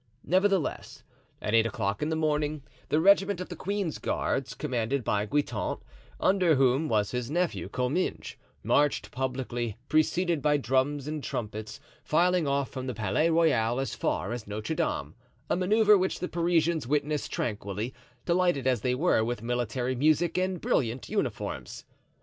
Nevertheless, at eight o'clock in the morning the regiment of the queen's guards, commanded by Guitant, under whom was his nephew Comminges, marched publicly, preceded by drums and trumpets, filing off from the Palais Royal as far as Notre Dame, a manoeuvre which the Parisians witnessed tranquilly, delighted as they were with military music and brilliant uniforms.